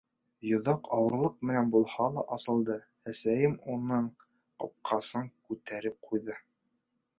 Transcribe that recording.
Йоҙаҡ ауырлыҡ менән булһа ла асылды, әсәйем уның ҡапҡасын күтәреп ҡуйҙы.